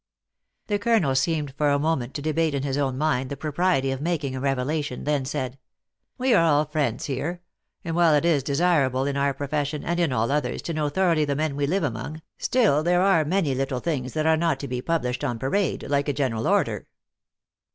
The colonel seemed for a moment to debate in his own mind the propriety of making a revelation, then said :" We are all friends here ; and, while it is de sirable in our profession, and in all others, to know thoroughly the men we live among, still there are many little things that are not to be published on parade, like a general order."